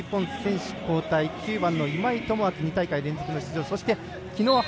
ここで日本選手交代９番、今井友明２大会連続の出場。